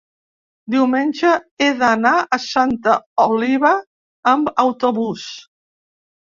diumenge he d'anar a Santa Oliva amb autobús.